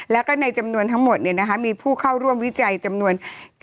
แล้วก็ในจำนวนทั้งหมดมีผู้เข้าร่วมวิจัยจำนวน